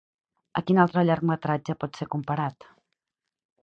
Amb quin altre llargmetratge pot ser comparat?